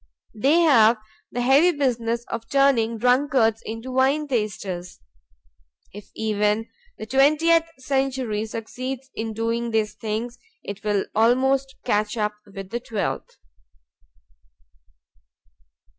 They have the heavy business of turning drunkards into wine tasters. If even the twentieth century succeeds in doing these things, it will almost catch up with the twelfth.